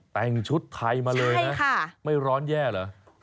แต่งชุดไทยมาเลยนะไม่ร้อนแย่เหรอค่ะใช่ค่ะ